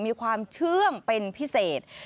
มีความเชื่อมเป็นพิเศษ